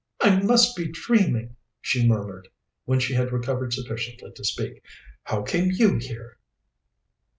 "I must be dreaming," she murmured, when she had recovered sufficiently to speak. "How came you here?"